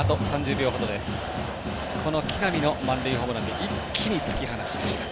木浪の満塁ホームランで一気に突き放しました。